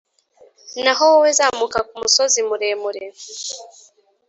Naho wowe, zamuka ku musozi muremure,